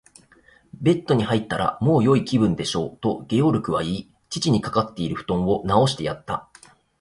「ベッドに入ったら、もうよい気分でしょう？」と、ゲオルクは言い、父にかかっているふとんをなおしてやった。